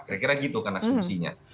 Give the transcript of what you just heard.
kira kira gitu kan asumsinya